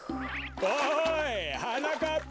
おいはなかっぱ！